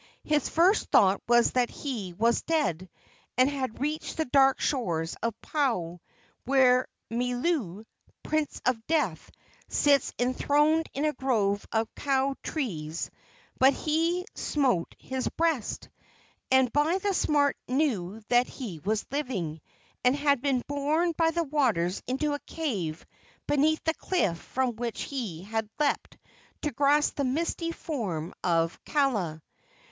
His first thought was that he was dead and had reached the dark shores of Po, where Milu, prince of death, sits enthroned in a grove of kou trees; but he smote his breast, and by the smart knew that he was living, and had been borne by the waters into a cave beneath the cliff from which he had leaped to grasp the misty form of Kaala.